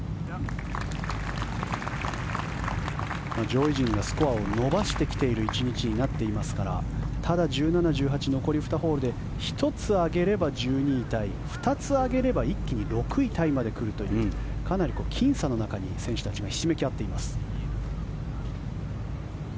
上位陣がスコアを伸ばしてきている１日になっていますからただ、１７、１８残り２ホールで１つ上げれば１２位タイ２つ上げれば一気に６位タイまで来るというかなりきん差の中に選手たちもひしめき合っています。